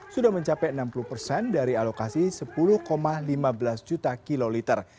sudah mencapai enam puluh persen dari alokasi sepuluh lima belas juta kiloliter